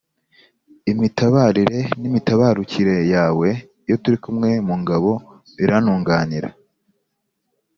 imitabarire n’imitabarukire yawe iyo turi kumwe mu ngabo birantunganira